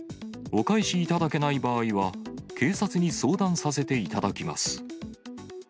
お返しいただけない場合は、警察に相談させていただきます。